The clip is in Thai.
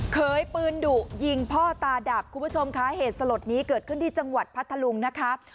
ตอนนี้คุณผู้ชมค่ะเหตุสลดนี้เกิดขึ้นที่จังหวัดพัทลุงนะครับ